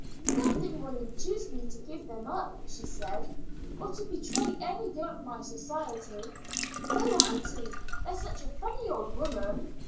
"Nothing will induce me to give them up," she said, or to betray any girl of my society. Oh, aunty, there's such a funny old woman!